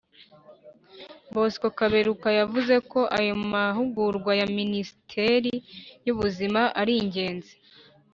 Bosco Kaberuka yavuze ko aya mahugurwa ya Minisiteri y’ubuzima ari ingenzi